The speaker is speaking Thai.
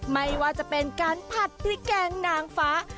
ไม่ว่าจะเป็นการผัดพริกแกงนางฟ้า